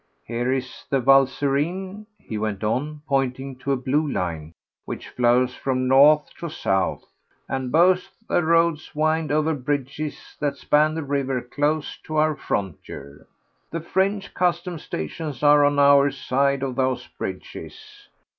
Here is the Valserine," he went on, pointing to a blue line, "which flows from north to south, and both the roads wind over bridges that span the river close to our frontier. The French customs stations are on our side of those bridges.